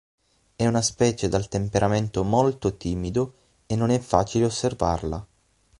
È una specie dal temperamento molto timido, e non è facile osservarla.